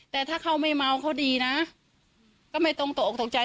แต่ถ้าเขาไม่เมาเขาดีนะก็ไม่ตรงตกออกตกใจ